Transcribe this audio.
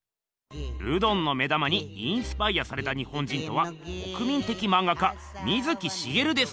ルドンの目玉にインスパイアされた日本人とは国民的まんが家水木しげるです。